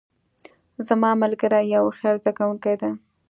زما ملګری یو هوښیار زده کوونکی ده